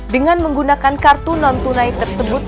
dengan menggunakan kartu non tunai tersebut